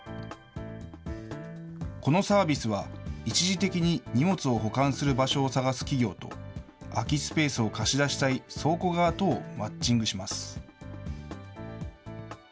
このサービスは、一時的に荷物を保管する場所を探す企業と、空きスペースを貸し出したい倉庫側とをマッチングします。